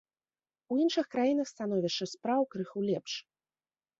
У іншых краінах становішча спраў крыху лепш.